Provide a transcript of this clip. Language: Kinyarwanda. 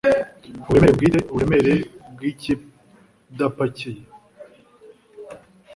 Uburemere bwiteUburemere bw’ikidapakiye